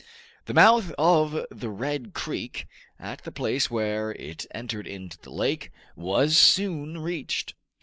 The mouth of the Red Creek, at the place where it entered into the lake, was soon reached.